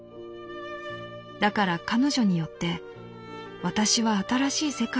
だから彼女によって私は新しい世界を得た。